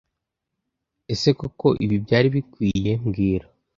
Ese koko ibi byari bikwiye mbwira